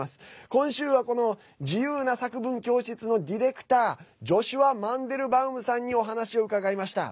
今週は、この自由な作文教室のディレクタージョシュア・マンデルバウムさんにお話を伺いました。